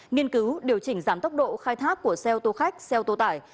nghiên cứu điều chỉnh giảm tốc độ khai thác của xe ô tô khách xe ô tô tải